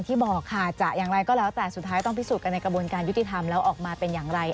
บอกค่ะจะอย่างไรก็แล้วแต่สุดท้ายต้องพิสูจนกันในกระบวนการยุติธรรมแล้วออกมาเป็นอย่างไร